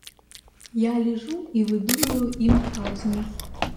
Я лежу и выдумываю им казни.